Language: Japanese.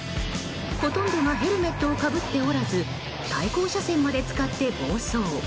ほとんどがヘルメットをかぶっておらず対向車線まで使って暴走。